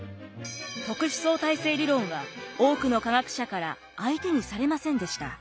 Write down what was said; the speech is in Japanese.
特殊相対性理論は多くの科学者から相手にされませんでした。